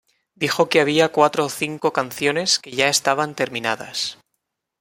Dijo que había cuatro o cinco canciones que ya estaban terminadas.